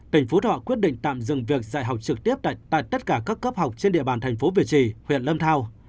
tỉnh phú thọ quyết định tạm dừng việc dạy học trực tiếp tại tất cả các cấp học trên địa bàn thành phố việt trì huyện lâm thao